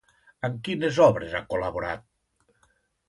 En quines obres ha col·laborat?